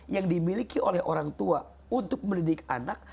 yang dimiliki oleh orang tua untuk mendidik anak